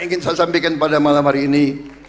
ingin saya sampaikan pada malam hari ini